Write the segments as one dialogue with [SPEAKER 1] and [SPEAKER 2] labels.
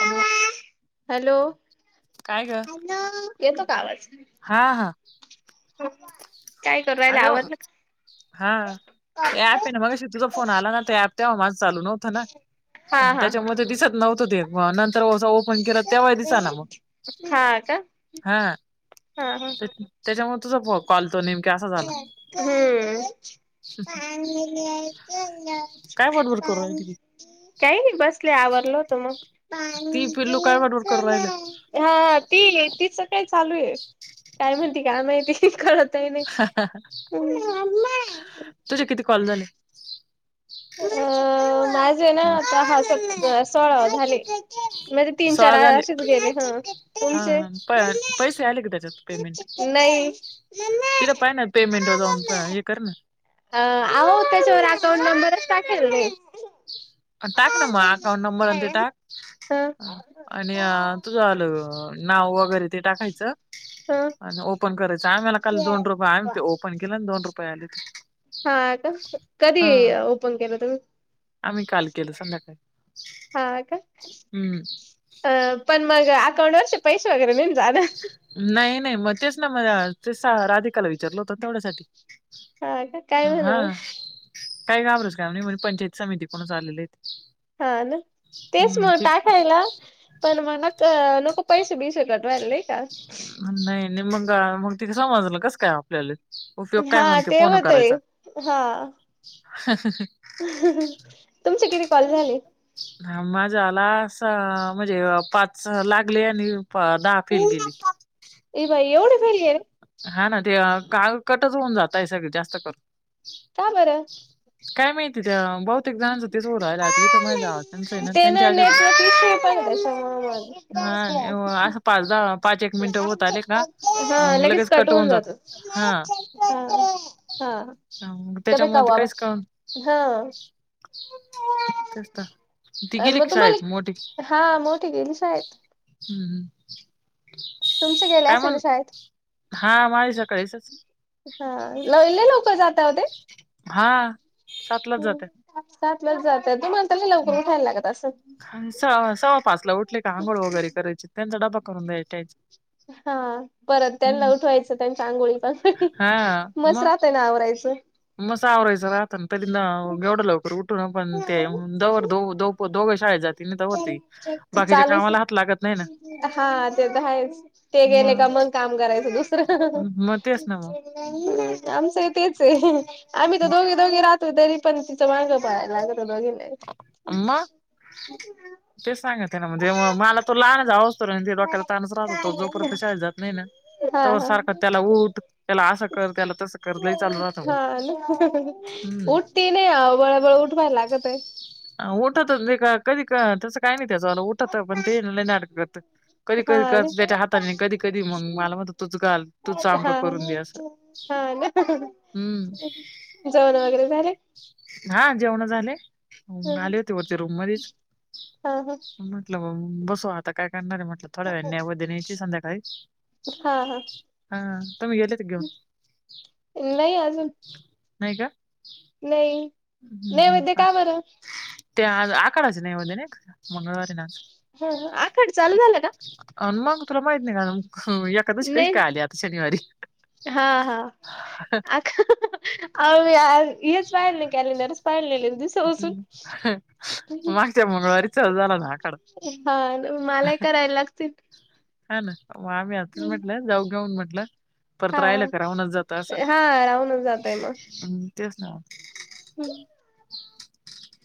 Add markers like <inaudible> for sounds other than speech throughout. [SPEAKER 1] Hello
[SPEAKER 2] hello
[SPEAKER 1] काय गं,
[SPEAKER 2] येतो का आवाज?
[SPEAKER 1] हा हा
[SPEAKER 2] <unintelligible> लावाच का?
[SPEAKER 1] हां ऍप आहे ना मग तुझ फोन आला ना ते ऍप तेव्हा माझं चालू नव्हतं ना
[SPEAKER 2] का हा हा
[SPEAKER 1] त्याच्यामध्ये दिसत नव्हतं ते नंतर पंख्याला त्या वायरीच आणा मग
[SPEAKER 2] हा का
[SPEAKER 1] हां
[SPEAKER 2] हा हा
[SPEAKER 1] त्याच्यामुळे तुझा कॉलतो नेमके असं झालं
[SPEAKER 2] हम्म
[SPEAKER 1] ह करू राहिली ती
[SPEAKER 2] काही नाही बसले आवरल होत म
[SPEAKER 1] ती पिल्लू काय बडबडकरून राहिल,
[SPEAKER 2] हा ती तीच काय चालू आहे काय म्हणती काय माहिती कळत नाही,
[SPEAKER 1] हा ह्
[SPEAKER 2] <unintelligible>
[SPEAKER 1] तुझे किती कॉल झाले?
[SPEAKER 2] अ अ अ मा झे ना आता सत सोळाव झाले म्हणजे तीन चार
[SPEAKER 1] सोळा झाले
[SPEAKER 2] असेच गेले. हं
[SPEAKER 1] हा
[SPEAKER 2] तुमचे
[SPEAKER 1] हा प पैसे आले की त्याच्यात पेमेंट
[SPEAKER 2] नाही
[SPEAKER 1] तिला पाहि ना पेमेंट वर जाऊन पाय हे कर ना
[SPEAKER 2] अ आहो त्याच्यावर अकाउंट नंबरच टाकायला नही.
[SPEAKER 1] टाक ना म अकाउंट नंबर अनं ते टाक. ह आणि अ तुझ आलं नाव वगैरे ते टाकायचं
[SPEAKER 2] ह
[SPEAKER 1] आणि ओपन करायचं आम्हाला काल दोन रुपय आम ते ओपन केलं आणं दोन रुपये आलेती
[SPEAKER 2] हा का कधी ओपन केलं तुम्ही?
[SPEAKER 1] आम्ही काल केलं संध्याकाळी
[SPEAKER 2] हा का
[SPEAKER 1] हम्म
[SPEAKER 2] अ पण मग अकाउंट वरचे पैसे वगैरे नाही ना जाणार
[SPEAKER 1] नाही नाही म तेच ना म तेचं राधिकाला विचारलं होत तेवढ्यासाठी
[SPEAKER 2] हा का काय
[SPEAKER 1] हं
[SPEAKER 2] म्हण
[SPEAKER 1] हा
[SPEAKER 2] मग
[SPEAKER 1] काही घाबरायचं काम नाय म्हणे पंचायत समिती कुनच आलेले आहे ते.
[SPEAKER 2] हा ना तेच मग टाखायला पण म नक नको पैसे बीयसे कट वायला नाय का.
[SPEAKER 1] नही नही मंग मंग तिनी समजलं कसं काय आपल्याला ले उपयोग काय
[SPEAKER 2] हा
[SPEAKER 1] मंग ते फोनं
[SPEAKER 2] होतय
[SPEAKER 1] करायचा.
[SPEAKER 2] हा तुमचे किती कॉल झाले?
[SPEAKER 1] ह माझ्या आला अस म्हणजे पाच लागले आणि प दहा फेल गेली
[SPEAKER 2] ये बाई येवढं घाई ये
[SPEAKER 1] हा ना ते काल कटच होऊन जातय सगळे जास्त करून
[SPEAKER 2] का बरं
[SPEAKER 1] काय माहिती ते बहुतेक जणांचं तेच होऊ राहिल इथं माया जावा
[SPEAKER 2] ते ना नेटवर्क इश्यू पण ये
[SPEAKER 1] हा
[SPEAKER 2] त्यांच्या
[SPEAKER 1] आणि व
[SPEAKER 2] मुळं
[SPEAKER 1] असं पाच दहा पाच एक मिनिटं होत आले का
[SPEAKER 2] मग हा
[SPEAKER 1] मग
[SPEAKER 2] लगेच कट
[SPEAKER 1] होऊन
[SPEAKER 2] होवून
[SPEAKER 1] जात
[SPEAKER 2] जातो
[SPEAKER 1] हा
[SPEAKER 2] हा हा
[SPEAKER 1] मग
[SPEAKER 2] त्या बाई
[SPEAKER 1] त्याच्यामुळ
[SPEAKER 2] काऊ
[SPEAKER 1] ते
[SPEAKER 2] आबा
[SPEAKER 1] काहीच कळना
[SPEAKER 2] हा
[SPEAKER 1] तेच तर ती गेली
[SPEAKER 2] मग
[SPEAKER 1] का शाळेत
[SPEAKER 2] तुम्हाला
[SPEAKER 1] मोठी
[SPEAKER 2] हा मोठी गेली शाळेत
[SPEAKER 1] हूं हूं
[SPEAKER 2] तुमचे गेले
[SPEAKER 1] काय
[SPEAKER 2] असेल ना
[SPEAKER 1] म्हण
[SPEAKER 2] शाळेत
[SPEAKER 1] हा माझ सकाळीसचं
[SPEAKER 2] हा ला लई लवकर जाता वो ते
[SPEAKER 1] हा सातलाच जात्या,
[SPEAKER 2] सातलाच जात्यात तुम्हाल
[SPEAKER 1] स सवा पाचला उठले का आंघोळ वगैरे करायची. त्यांचा डबा करून द्याय ट्याय
[SPEAKER 2] हा परत त्यांना उठवायचं त्यांच्या आंघोळी पांघोळी
[SPEAKER 1] हा
[SPEAKER 2] मस राहतय ना आवरायचं
[SPEAKER 1] मस आवरायचं राहत ना तरी ना एवढं लवकर उठून ना पण ते तवर दो दो दोप दोघे शाळेेत जात
[SPEAKER 2] ते चालूच
[SPEAKER 1] लागत नाही ना
[SPEAKER 2] हा ते त हायेच. ते गेले का
[SPEAKER 1] मग
[SPEAKER 2] मंग काम करायचं दुसरं
[SPEAKER 1] मग तेच ना मग
[SPEAKER 2] आमचं ही तेच ये आम्ही तर दोघी दोघी रात तो तरी पण तिंच मागं पळायला लागतं दोघींना
[SPEAKER 1] अ मं ते सांगत म्हणते नं म्हणजे मला तो लहानच जाऊसतवर डोक्याला तानच राहतो जोपर्यंत शाळेत जात नाय ना
[SPEAKER 2] हा
[SPEAKER 1] तवर
[SPEAKER 2] हा
[SPEAKER 1] सारखां त्याला उठ त्याला असं कर त्याला तसं कर लई चालू राहत म
[SPEAKER 2] हा उठती नाही आओ बळ बळ उठवाया लागतय.
[SPEAKER 1] उठत नाही का कधी क तस काय नाय त्याजवाल उठत पण ते ये ना लई नाटक करत कधी कधी
[SPEAKER 2] हा ना
[SPEAKER 1] करत त्याच्या हाताने कधी कधी मग मला म्हणत तूच घाल तूच आंघोळ
[SPEAKER 2] हा
[SPEAKER 1] करून दे अस,
[SPEAKER 2] हा ना
[SPEAKER 1] हम्म
[SPEAKER 2] जेवण वगैरे झाले.
[SPEAKER 1] हा जेवण झाले. आले होते वरती रूम मध्येच
[SPEAKER 2] हा हा
[SPEAKER 1] म्हटलं मी बसू आता काय करणार आहे म्हटलं थोड्या वेळ नैवेद्य न्यायची आहे संध्याकाळी
[SPEAKER 2] हा हा
[SPEAKER 1] हा तुम्ही गेलेत घेऊन
[SPEAKER 2] नाही अजून
[SPEAKER 1] नाही का?
[SPEAKER 2] नाही नैवेद्य का बरं.
[SPEAKER 1] त्या आज आखाड्यात नैवेद्य नाही का? मंगळवारी ना आज
[SPEAKER 2] ह अ आखाड चालू झाला का?
[SPEAKER 1] अ मग तुला माहित नाही का एक एकादशी कशी काय
[SPEAKER 2] नाही
[SPEAKER 1] आली आता शनिवारी
[SPEAKER 2] हा हा आख अहो आज हेच पाहिलं नाही कॅलेंडरच पाहिले दिवसापासून
[SPEAKER 1] हम्म. मागच्या मंगळवारी चालू झाला ना आखाडा
[SPEAKER 2] हा मलाही करायला लागतील.
[SPEAKER 1] हा ना आम्ही आज तेच म्हटलं जाऊ घेऊन म्हटलं. परत
[SPEAKER 2] हा
[SPEAKER 1] राहिल का राहूनच जात असं
[SPEAKER 2] हा राहूनच जातय
[SPEAKER 1] मग तेच ना.
[SPEAKER 2] हम्.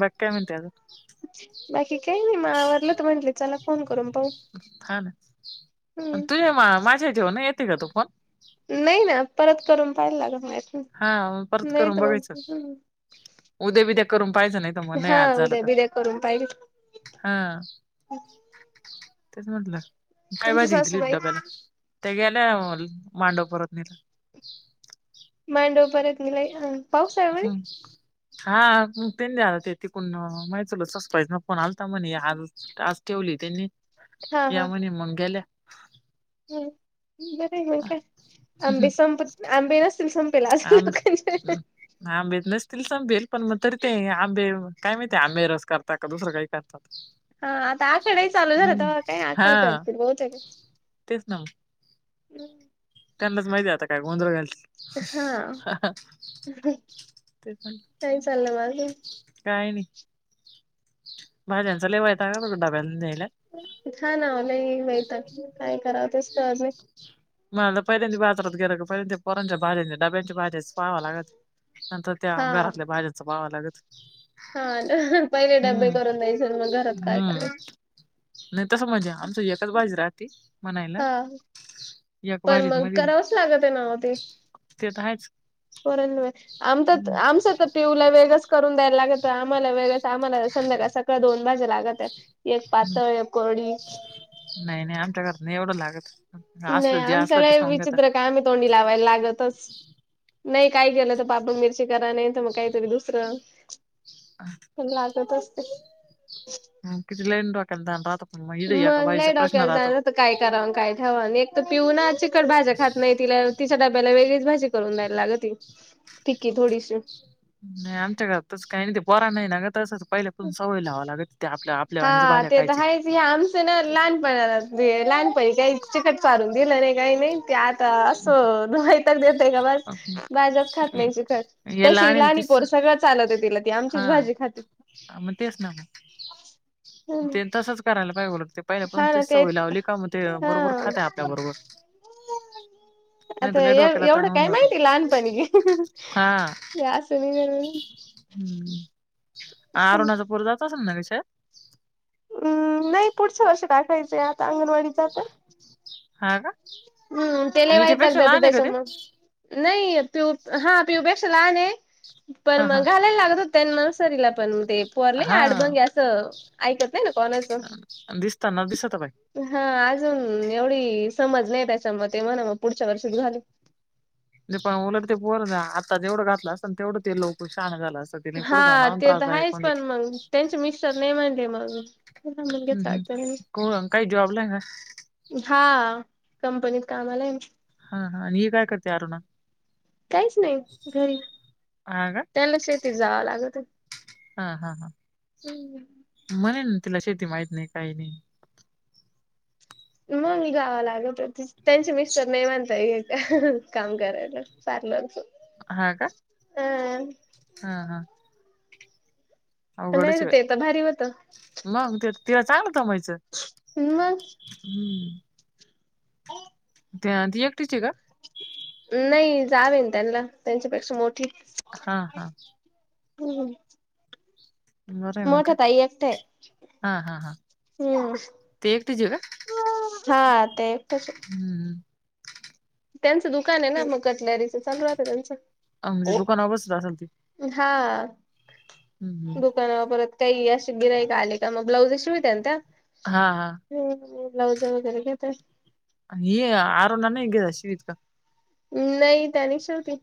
[SPEAKER 1] बाकी काय म्हणते अजून
[SPEAKER 2] बाकी काही नाही मग आवरलं तर म्हंटले चला फोन करून पाहू.
[SPEAKER 1] हा ना
[SPEAKER 2] हम्म
[SPEAKER 1] तुझ्या मा माझ्या जिवेर नाही येते का तो फोन
[SPEAKER 2] नाही ना परत करून पाहायला लागत नाही.
[SPEAKER 1] हा म परत करून
[SPEAKER 2] तर
[SPEAKER 1] बघायचं.
[SPEAKER 2] मग
[SPEAKER 1] उद्या बिद्या करून पाहियचं नाही त मग नाही
[SPEAKER 2] हा
[SPEAKER 1] आज झालं
[SPEAKER 2] उद्या
[SPEAKER 1] तर
[SPEAKER 2] बिद्या करून पाहिल
[SPEAKER 1] हा तेच म्हटलं. का
[SPEAKER 2] तुमची
[SPEAKER 1] भाजी घ दिली
[SPEAKER 2] सासूबाई
[SPEAKER 1] डब्याला त्या गेल्या मांडव परतणीला
[SPEAKER 2] मांडव परत निलाय. पाऊस आहे म्हणे
[SPEAKER 1] हम्म हा त्यांनी आज तिकडुन माझ्या चुलत सासुबाई ना. फोन आलता म्हणे आज आज ठेवली त्यांनी
[SPEAKER 2] हा
[SPEAKER 1] या
[SPEAKER 2] हा
[SPEAKER 1] म्हणे मग ग्याल्या.
[SPEAKER 2] नाही मग काय आंबे संप आंबे नसतील संपेला असेल लोकांच्या
[SPEAKER 1] आंबेच नसतील संपेल पण मग तरी ते आंबे काय माहितीय आंबे रस करता का दुसरं काही करत. अ.
[SPEAKER 2] हा आता आखाडही चालू झालात तेव्हा काही
[SPEAKER 1] हा
[SPEAKER 2] आखाड करतील बहुत
[SPEAKER 1] तेच ना म
[SPEAKER 2] हम्.
[SPEAKER 1] त्यांनाच माहिती आ काय गोंधळ घालत.
[SPEAKER 2] हा
[SPEAKER 1] ते पण
[SPEAKER 2] काही चाललं म अजून
[SPEAKER 1] काय नाही. बाज जन सल होयत का म डबलेईल
[SPEAKER 2] हा ना आ ल इ वैतागकाय कराव तेच कळत नाही.
[SPEAKER 1] म पहिल्यांद ब बाजरात गेलं पहिल्यांद ते पोरांच्या भाज्यांनी डब्यांच्या भाज्याच पाहावं लागत नंतर त्या
[SPEAKER 2] हा
[SPEAKER 1] घरातल्या भाज्यांच पावां लागत.
[SPEAKER 2] हा पहिले डब्बे
[SPEAKER 1] हम्म
[SPEAKER 2] करून द्यायचे मग घरात काय
[SPEAKER 1] हम्म
[SPEAKER 2] करायच?
[SPEAKER 1] नाही तसं म्हणजे आमचं एच बाजी राही.
[SPEAKER 2] हा पण
[SPEAKER 1] भाजीत
[SPEAKER 2] मग
[SPEAKER 1] मध्ये
[SPEAKER 2] करावंच लागत आहे ना ते
[SPEAKER 1] ते तर आहेच
[SPEAKER 2] आम
[SPEAKER 1] हम्म,
[SPEAKER 2] आमच तर पिऊला वेगच करून द्या. लागत आम्हाला वेळळेच आम्हाला संध्याकाळ सकाळ दोन वाजे लागत आहे. एक
[SPEAKER 1] हम्म.
[SPEAKER 2] पाातळ एक कोडी
[SPEAKER 1] नाही नाही आमच्या करता नाही एवढं लागत.
[SPEAKER 2] नाही
[SPEAKER 1] असलं जे असलं
[SPEAKER 2] आमच्याला
[SPEAKER 1] ते खाऊन घेता
[SPEAKER 2] विचित्र काय आम्ही तोंडी लावायला लागतच. नाही काय केलं तर पापड मिरची करा नाही तर मग काहीतरी दुसरं
[SPEAKER 1] आह
[SPEAKER 2] लागतच नई
[SPEAKER 1] हा किती लाईन डोक्याला ताण राहतो... पण मग इथं एका बाईचा
[SPEAKER 2] लय
[SPEAKER 1] प्रश्न
[SPEAKER 2] डोक्याला ताण
[SPEAKER 1] राहतो
[SPEAKER 2] राहतं काय करावं आणि काय नई ठेवा अन एकतर पिऊ ना... चिकट भाज्या खात नई... तिला... तिच्या डब्याला वेगळीच भाजी करून द्यायला लागती फिक्की थोडीशी
[SPEAKER 1] नाई... आमच्या घरात तसं काय नई... ते पोरांना ए ना गं तसंच- पहिल्या पासून सवयी लावावी लागती... ती आपल्या...
[SPEAKER 2] हा
[SPEAKER 1] आपल्यावानीच भाज्या
[SPEAKER 2] तर
[SPEAKER 1] खायची
[SPEAKER 2] आहेच ते आमचं ना... लहानपणाला... लहानपणी काही चिकट चारून दिलं नाई... काई नाई... ते आत त्ता असं वैताग देतं का बास भाज्याच खात नाही चिखट...
[SPEAKER 1] याला
[SPEAKER 2] तशी
[SPEAKER 1] आणेल
[SPEAKER 2] लहानी
[SPEAKER 1] तीच
[SPEAKER 2] पोर सगळं चालतं तिला... ती आमचीच भाजी खाती
[SPEAKER 1] हा मग तेच ना... ते तसंच करायला पाहिजे उलट पाहिल्या पासून
[SPEAKER 2] हा
[SPEAKER 1] ती
[SPEAKER 2] ना ते
[SPEAKER 1] सवयी लावली का मग... ते
[SPEAKER 2] हा
[SPEAKER 1] बरोबर खातय आपल्या बरोबर नाही
[SPEAKER 2] आता...
[SPEAKER 1] तर लय
[SPEAKER 2] एव...
[SPEAKER 1] डोक्याला
[SPEAKER 2] एवढं
[SPEAKER 1] ताण होऊन
[SPEAKER 2] काय
[SPEAKER 1] जातो
[SPEAKER 2] माहिती लहानपणी
[SPEAKER 1] हा
[SPEAKER 2] हे असं निघल म्हणून
[SPEAKER 1] हम्म... आरुणाचं पोर जात असल ना गं शाळेत?
[SPEAKER 2] हम्म... नई पुढच्या वर्षी टाकायचंय... आता अंगणवाडीत जातंय
[SPEAKER 1] हा का?
[SPEAKER 2] हम्म... ते लई वैताग
[SPEAKER 1] हिच्यापेक्षा
[SPEAKER 2] देतं
[SPEAKER 1] लहान आहे का ते?
[SPEAKER 2] त्याच्यामुळं नई... पिऊ... हा... पिऊपेक्षा लहान ए... पण
[SPEAKER 1] हा हा
[SPEAKER 2] मग घालाय लागत होतं त्यां नर्सरीला... पण ते.. पव्हार
[SPEAKER 1] हा
[SPEAKER 2] आडबंगे असं... ऐकत नाही ना कोणाचं
[SPEAKER 1] दिसतानच... दिसतं बाई
[SPEAKER 2] हा... अजून... एवढी समज नई त्याच्या मधे... ते म्हणं मग पुढच्या वर्षीच घालू
[SPEAKER 1] नाई पण... उलट ते पोरगं. आता जेवढं घातलं असतं तेवढं ते लवकर शाहानं झालं असतं ते नाही
[SPEAKER 2] हा...
[SPEAKER 1] पुढे जाऊन अजून
[SPEAKER 2] ते तर
[SPEAKER 1] त्रासदायक
[SPEAKER 2] हायच
[SPEAKER 1] होऊन
[SPEAKER 2] पण
[SPEAKER 1] जातं.
[SPEAKER 2] मग त्यांचे मिस्टर नई म्हणले मग...
[SPEAKER 1] हम्म हम्म
[SPEAKER 2] <unintelligible>
[SPEAKER 1] कोण... काही जॉबला ए का?
[SPEAKER 2] हा... कंपनीत कामाला ए
[SPEAKER 1] हा हा... आणि ही काय करते अरुणा?
[SPEAKER 2] काहीच नाई... घरी...
[SPEAKER 1] हा का
[SPEAKER 2] त्यांना शेतीत जावं लागतं
[SPEAKER 1] हा हाहा
[SPEAKER 2] हम्म
[SPEAKER 1] म्हणेल ना... तिला शेती माईत नाई... काय नाई... मग
[SPEAKER 2] मग मी गावाला आलो तर... त्याचे मिस्टर नई म्हणतायेत... काम करायला.... सारलं असं
[SPEAKER 1] हा का?
[SPEAKER 2] आ
[SPEAKER 1] हा हा
[SPEAKER 2] नई
[SPEAKER 1] अवघडच आहे
[SPEAKER 2] ना...
[SPEAKER 1] बाई.
[SPEAKER 2] तेे तर भारी बोलतात
[SPEAKER 1] मग... ते... ते तर चांगलं कमवायचं...
[SPEAKER 2] मग
[SPEAKER 1] हम्म ते... अन... ती एकटीच ए का?
[SPEAKER 2] नई... जाव है ना त्यांना... त्यांच्यापेक्षा मोठी
[SPEAKER 1] हा हा
[SPEAKER 2] हूं
[SPEAKER 1] बरं आहे मग
[SPEAKER 2] मोठ्या
[SPEAKER 1] काय
[SPEAKER 2] ताई एकटया
[SPEAKER 1] हा हा हा
[SPEAKER 2] ए हम्म...
[SPEAKER 1] ते एकटीच आहे का
[SPEAKER 2] हा... ते एकट्याच हेत
[SPEAKER 1] हम्म
[SPEAKER 2] त्यांचं दुकान हाय ना... मग कटलरीचं... चालू राहतं त्यांचं...
[SPEAKER 1] अं, म्हणजे
[SPEAKER 2] हो
[SPEAKER 1] दुकानावर बसत असेल ती
[SPEAKER 2] हा
[SPEAKER 1] हम्म हम्म
[SPEAKER 2] दुकानावर परत काई... अशी गिऱ्हाईकं आले का मग ब्लाउजं शिवीत्या ना त्या
[SPEAKER 1] हा हा
[SPEAKER 2] <unintelligible> ब्लाउज वगैरे घेता
[SPEAKER 1] हि आरुना नाही शिवित का?
[SPEAKER 2] नही त्या नही शिवती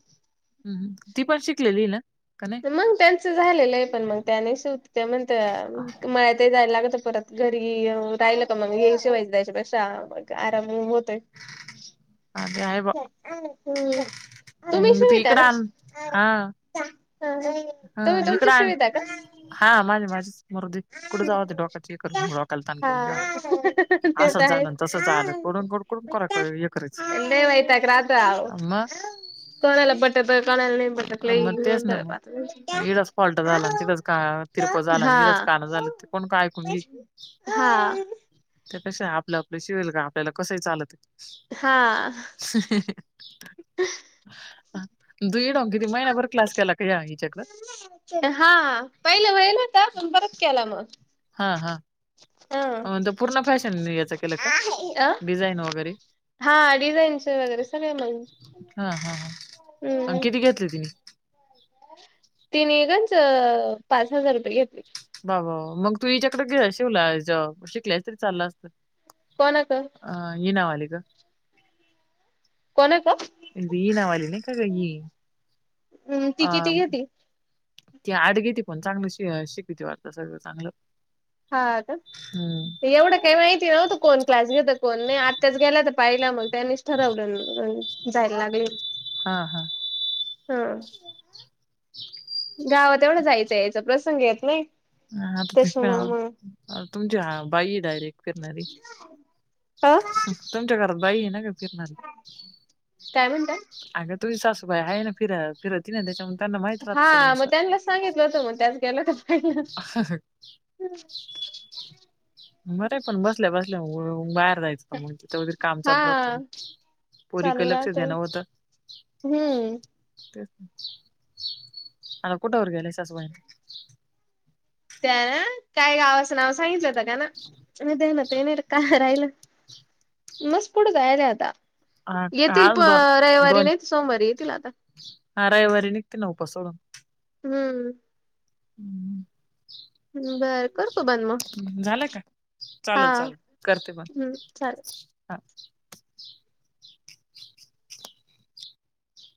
[SPEAKER 1] हम् ती पण शिकलेली ना का नाही
[SPEAKER 2] मग त्यांचं झालेलं ये पण मग त्या नही शिवती त्या म्हणत्या मळ्यात जायला लागत परत घरी राहिल का मग ही शिवायचं त्याच्यापेक्षा आराम होतोय.
[SPEAKER 1] अग
[SPEAKER 2] आ <unintelligible>
[SPEAKER 1] मग ते इकड आण
[SPEAKER 2] <unintelligible>
[SPEAKER 1] हा इकड
[SPEAKER 2] तुमची
[SPEAKER 1] आण
[SPEAKER 2] सुविधा का?
[SPEAKER 1] हा माझे माझेच मरूदे कुढ जावं ते डोक्याचे हे करून डोक्याला ताण करून घ्यावा.
[SPEAKER 2] ते तर
[SPEAKER 1] असंच
[SPEAKER 2] आहेच.
[SPEAKER 1] झालं तसंच आलं कोडून को कोडून करा कर हे करायचं
[SPEAKER 2] लय वैताग राहतो अहो
[SPEAKER 1] मग
[SPEAKER 2] कोणाला पटतं कोणाला नही.
[SPEAKER 1] मग तेच ना मग इडच फॉल्ट झाला तिथंच का तिरप झाला इढंच
[SPEAKER 2] हा
[SPEAKER 1] कानं झालं कोण का ऐकून घेईल.
[SPEAKER 2] हा
[SPEAKER 1] त्याहीपेक्षा आपलं आपलं शिवेल गा आपल्याला कसंय चालतय
[SPEAKER 2] हा
[SPEAKER 1] ह <inaudible> तू इड येऊन किती महिनाभर क्लास केला का ह्या इच्याकडं
[SPEAKER 2] हा पहिले व्हाईल होता पण परत केला मग
[SPEAKER 1] हा हां पूर्ण फॅशन याच केलं का
[SPEAKER 2] हा
[SPEAKER 1] डिझाईन वगैरे
[SPEAKER 2] हा डिझाईनचे वगैरे सगळे मग
[SPEAKER 1] हा हा हा अं
[SPEAKER 2] हम्म.
[SPEAKER 1] किती घेतले तिनी
[SPEAKER 2] तिनी गंज पाच हजार रुपये घेतले
[SPEAKER 1] बा बा. बा मग तू हिच्याकड गे शिवलाय शिकली असती तरी चाललं असतं
[SPEAKER 2] कोणाक
[SPEAKER 1] अ हिनावाली क
[SPEAKER 2] कोणाक
[SPEAKER 1] हिनावाली नाही का गं हि
[SPEAKER 2] ती
[SPEAKER 1] अ
[SPEAKER 2] किती घेती
[SPEAKER 1] ती आठ घेती पण चांगलं श शिकविती वाटतं सगळ चांगलं
[SPEAKER 2] हा का
[SPEAKER 1] हम्म
[SPEAKER 2] एवढं काही माहिती नव्हतं कोण क्लास घेत कोण नाही आत्याच गेल्यात्या पाहिला मग त्यांनीच ठरवलं जायला लागले
[SPEAKER 1] हा हा
[SPEAKER 2] हा गावात एवढं जायचा यायचा प्रसंग येत नाही
[SPEAKER 1] ह
[SPEAKER 2] त्याच्यामुळे मग
[SPEAKER 1] आता तुमची बाई डायरेक्ट फिरणारी
[SPEAKER 2] अ
[SPEAKER 1] तुमच्या घरात बाई येना गं फिरणारी
[SPEAKER 2] काय म्हणता
[SPEAKER 1] अगं तुझी सासूबाई आहे ना फिरया फिरत ती त्यांच्यामुळे त्यांना मा
[SPEAKER 2] हा म त्यांनाच सांगितलं होत मग त्याच गेल्या होत्या
[SPEAKER 1] <inaudible> बरंय पण बसल्या बसल्या बाहेर जायचं मग तिथ वगेरे काम चालू राहतं
[SPEAKER 2] हा
[SPEAKER 1] ना पोरीक
[SPEAKER 2] चालू
[SPEAKER 1] लक्ष
[SPEAKER 2] राहतय
[SPEAKER 1] देण होतं
[SPEAKER 2] हम्म
[SPEAKER 1] तेच ना आता कुठंवर गेल्याय सासूबाई
[SPEAKER 2] त्या काय गावाचं नाव सांगितलंत का न माझ्या ध्यानातय नाही का राहिलं मस पुढे जायले आता
[SPEAKER 1] हा हा
[SPEAKER 2] येतील प रविवारी नाही सोमवारी येतील आता
[SPEAKER 1] ह रविवारी निघतील ना उपास सोडून
[SPEAKER 2] हम्म
[SPEAKER 1] हम्म
[SPEAKER 2] बर कर करतो बन मग
[SPEAKER 1] झालं का
[SPEAKER 2] हा
[SPEAKER 1] चाल चाल करते पण
[SPEAKER 2] हम्म चालेल